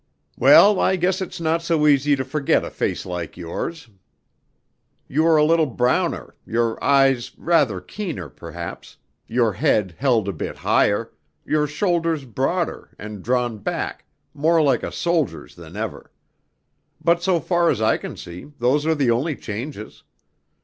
"Well, I guess it's not so easy to forget a face like yours. You are a little browner, your eyes rather keener perhaps, your head held a bit higher, your shoulders broader and drawn back more like a soldier's than ever; but, so far as I can see, those are the only changes.